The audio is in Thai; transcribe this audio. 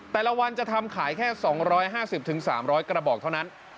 แต่ละวันจะทำขายแค่๒๕๐๓๐๐กระบอกเท่านั้น